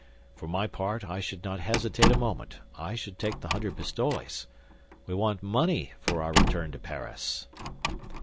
For my part, I should not hesitate a moment; I should take the hundred pistoles. We want money for our return to Paris."